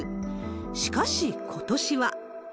しかしことしは。